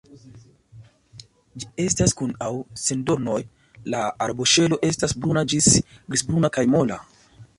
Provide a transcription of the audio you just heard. Ĝi estas kun aŭ sen dornoj, la arboŝelo estas bruna ĝis grizbruna kaj mola.